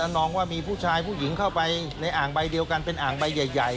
น้องว่ามีผู้ชายผู้หญิงเข้าไปในอ่างใบเดียวกันเป็นอ่างใบใหญ่